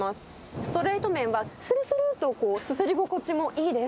ストレート麺は、するするっとすすり心地もいいです。